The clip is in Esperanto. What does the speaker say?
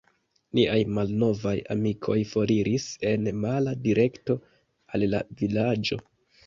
Niaj malnovaj amikoj foriris en mala direkto al la vilaĝo.